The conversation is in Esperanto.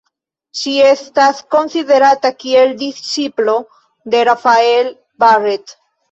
Ŝi estas konsiderata kiel disĉiplo de Rafael Barrett.